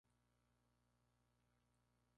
Tiene su sede en College Station.